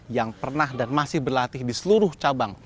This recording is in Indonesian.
yang pernah dan masih berlatih di seluruh cabang